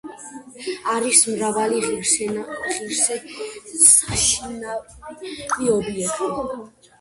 არის მრავალი ღირსშესანიშნავი ობიექტი.